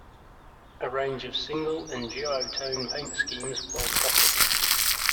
A range of single and duo-tone paint schemes was offered.